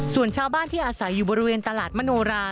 ส่วนชาวบ้านที่อาศัยอยู่บริเวณตลาดมโนรา